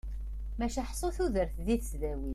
Maca ḥsu tudert deg tesdawit.